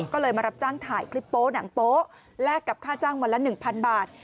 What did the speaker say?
ก็เลยมารับจ้างถ่ายคลิปโป๊หนังโป๊ะแลกกับค่าจ้างวันละ๑๐๐บาท